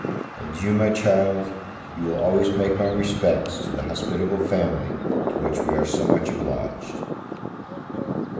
Adieu, my child. You will always make my respects to the hospitable family to which we are so much obliged.